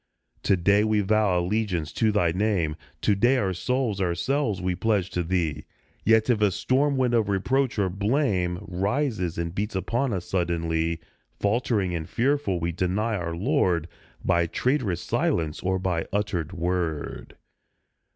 To day we vow allegiance to Thy name ; To day our souls, ourselves, we pledge to Thee, Yet if a storm wind of reproach or blame Rises and beats upon us suddenly, Faltering and fearful, we deny our Lord, By traitorous silence or by uttered word.